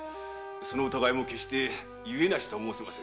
その疑いも決して故なしとは申せませぬ。